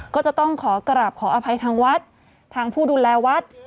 ก็จะต้องขอกราบขออภัยทางวัดทางผู้ดูแลวัด